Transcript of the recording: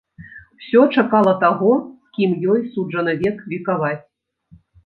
Усё чакала таго, з кім ёй суджана век векаваць.